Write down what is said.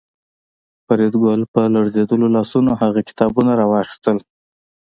فریدګل په لړزېدلو لاسونو هغه کتابونه راواخیستل